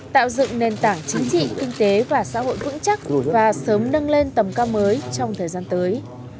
tạo dựng nền tảng chính trị kinh tế và xã hội vững chắc và sớm nâng lên tầm cao mới trong thời gian tới